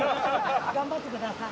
頑張ってください。